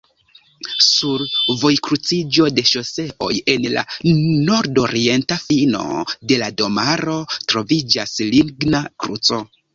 Sur vojkruciĝo de ŝoseoj en la nordorienta fino de la domaro troviĝas ligna kruco.